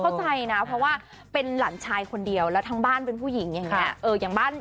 เข้าใจนะเพราะว่าเป็นหลานชายคนเดียวแล้วทั้งบ้านเป็นผู้หญิงอย่างนี้